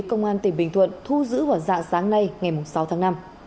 công an tỉnh bình thuận thu giữ vào dạng sáng nay ngày sáu tháng năm